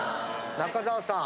中澤さん